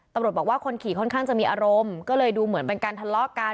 ตำรวจบอกว่าคนขี่ค่อนข้างจะมีอารมณ์ก็เลยดูเหมือนเป็นการทะเลาะกัน